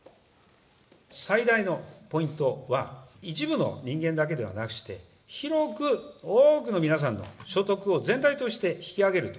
最大のポイントは、一部の人間だけではなくして、広く多くの皆さんの所得を全体として引き上げると。